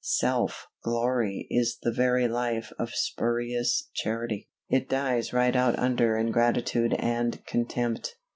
Self glory is the very life of spurious Charity: it dies right out under ingratitude and contempt.